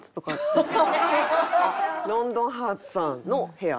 『ロンドンハーツ』さんの部屋？